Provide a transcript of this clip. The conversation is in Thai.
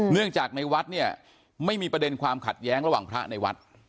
เนื่องจากในวัดเนี่ยไม่มีประเด็นความขัดแย้งระหว่างพระในวัด